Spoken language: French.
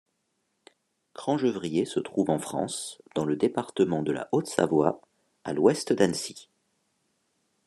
Cran-Gevrier se trouve en France dans le département de la Haute-Savoie, à l'ouest d'Annecy.